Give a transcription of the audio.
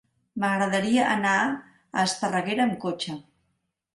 M'agradaria anar a Esparreguera amb cotxe.